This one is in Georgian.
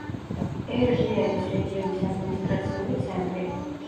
ერ-რიადის რეგიონის ადმინისტრაციული ცენტრი.